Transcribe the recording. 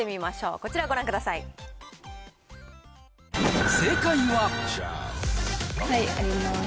こちらご覧ください。あります。